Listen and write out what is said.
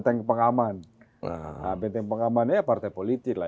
nah benteng pengamannya ya partai politik lah